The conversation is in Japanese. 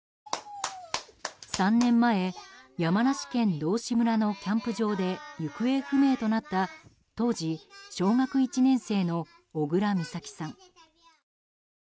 ３年前、山梨県道志村のキャンプ場で行方不明となった当時小学１年生の小倉美咲さん。